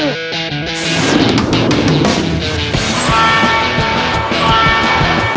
สามร้อยหกสิบคัน